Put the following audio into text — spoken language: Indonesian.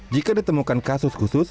jika ditemukan kasus khusus